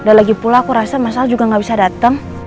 dan lagi pula aku rasa mas al juga gabisa dateng